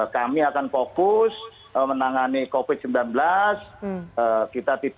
kami akan fokus menangani covid sembilan belas